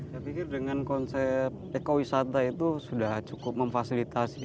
saya pikir dengan konsep ekowisata itu sudah cukup memfasilitasi